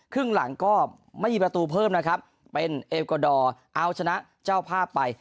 ครึ่งหลังก็ไม่มีประตูเพิ่มนะครับเป็นเอลกวาดอร์เอาชนะเจ้าภาพไป